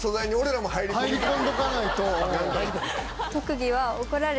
入り込んどかないと。